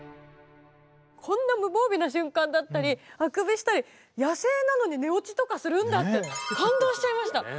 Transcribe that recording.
こんな無防備な瞬間だったりあくびしたり野生なのに寝落ちとかするんだって感動しちゃいました。